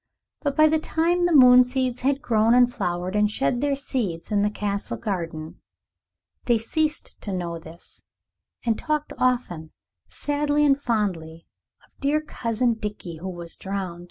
But by the time the moon seeds had grown and flowered and shed their seeds in the Castle garden they ceased to know this, and talked often, sadly and fondly, of dear cousin Dickie who was drowned.